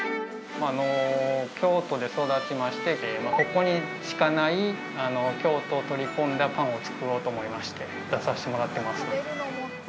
京都で育ちましてここにしかない京都を取り込んだパンを作ろうと思いまして出さしてもらってます